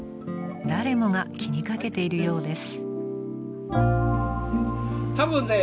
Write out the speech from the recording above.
［誰もが気にかけているようです］